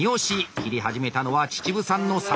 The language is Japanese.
切り始めたのは秩父産のさつまいも！